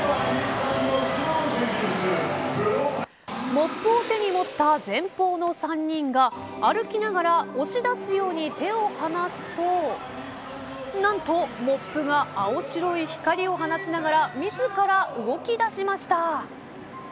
モップを手に持った前方の３人が歩きながら押し出すように手を離すと何とモップが青白い光を放ちながら自ら動きだしました。